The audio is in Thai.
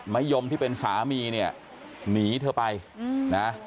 ยมที่เป็นสามีเนี่ยหนีเธอไปนะ